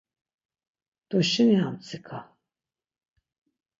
Duşini amtsika.